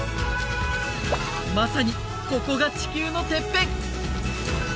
まさにここが地球のてっぺん！